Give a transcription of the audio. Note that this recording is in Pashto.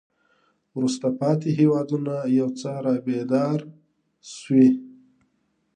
وروسته پاتې هېوادونه یو څه را بیدار شوي.